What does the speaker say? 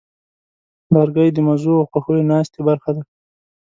لرګی د مزو او خوښیو ناستې برخه ده.